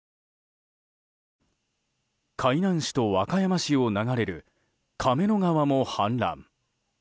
海南市と和歌山市を流れる亀の川も氾濫。